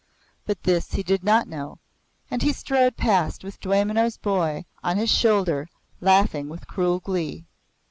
But this he did not know and he strode past with Dwaymenau's boy on his shoulder, laughing with cruel glee.